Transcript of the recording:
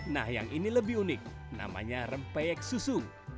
nah yang ini lebih unik namanya rempeyek susung